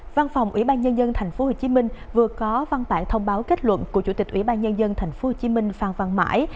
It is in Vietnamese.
văn phòng ủy ban nhân dân tp hcm vừa có văn bản thông báo kết luận của chủ tịch ủy ban nhân dân tp hcm phan văn mãi